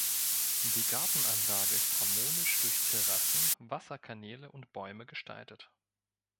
Die Gartenanlage ist harmonisch durch Terrassen, Wasserkanäle und Bäume gestaltet.